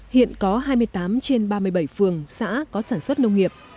hiện có hai mươi tám trên ba mươi bảy phường xã có sản xuất nông nghiệp